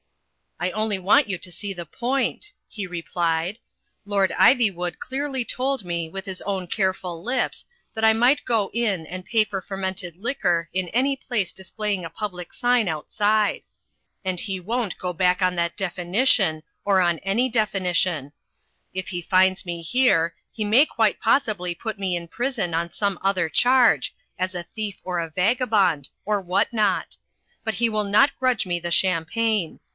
^^^^^^ "I only want you to see the point," he replied. "Lord 148 THE FLYING INN Ivywood clearly told me, with his own careful lips, that I might go in and pay for fermented liquor in any place displaying a public sign outside. And he won't go back on that definition or on any definition. If he finds me here, he may quite possibly put me in prison on some other charge, as a thief or a vagabond, or what not. But he will not grudge the champagne.